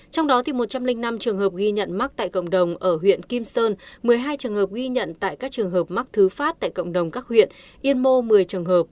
trong đó một trăm linh năm trường hợp ghi nhận mắc tại cộng đồng ở huyện kim sơn một mươi hai trường hợp ghi nhận tại các trường hợp mắc thứ phát tại cộng đồng các huyện yên mô một mươi trường hợp